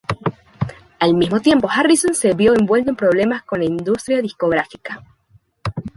Al mismo tiempo, Harrison se vio envuelto en problemas con la industria discográfica.